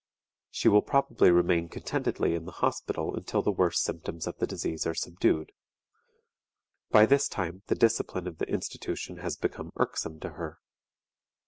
She will probably remain contentedly in the hospital until the worst symptoms of the disease are subdued: by this time the discipline of the institution has become irksome to her.